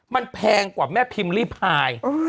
มันแพงกว่าแม่พิมพ์ลี่พาย